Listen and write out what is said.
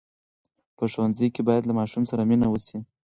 په ښوونځي کې باید له ماشوم سره مینه وسي.